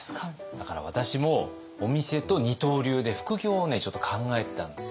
だから私もお店と二刀流で副業をねちょっと考えてたんですよね。